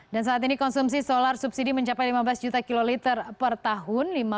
dan saat ini konsumsi solar subsidi mencapai lima belas juta kiloliter per tahun